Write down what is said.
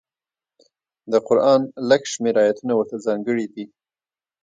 د قران لږ شمېر ایتونه ورته ځانګړي دي.